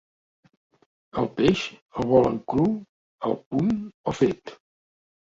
El peix, el volen cru, al punt o fet?